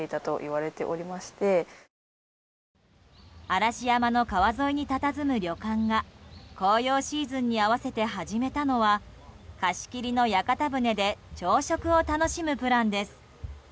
嵐山の川沿いにたたずむ旅館が紅葉シーズンに合わせて始めたのは貸し切りの屋形船で朝食を楽しむプランです。